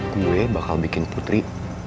gue bakal bikin putri